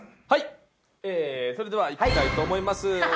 はいそれではいきたいと思います。